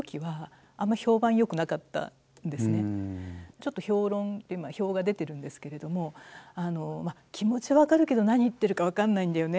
ちょっと評論評が出てるんですけれども「気持ちは分かるけど何言ってるか分かんないんだよね」